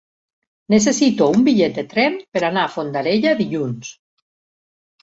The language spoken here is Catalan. Necessito un bitllet de tren per anar a Fondarella dilluns.